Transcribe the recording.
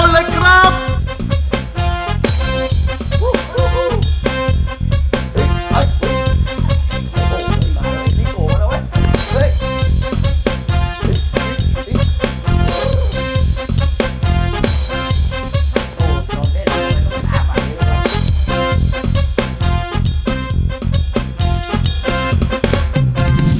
เฮ้ย